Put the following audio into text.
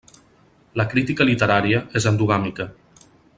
La crítica literària és endogàmica.